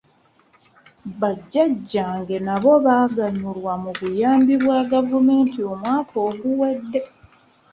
Bajjajjange nabo baaganyulwa mu buyambi bwa gavumenti omwaka oguwedde.